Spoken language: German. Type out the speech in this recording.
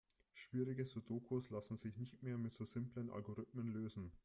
Schwierige Sudokus lassen sich nicht mehr mit so simplen Algorithmen lösen.